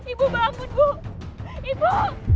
ibu bangun ibu